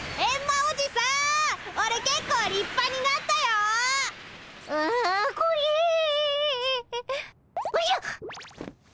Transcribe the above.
おじゃ！